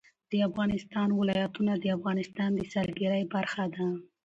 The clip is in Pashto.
د افغانستان ولايتونه د افغانستان د سیلګرۍ برخه ده.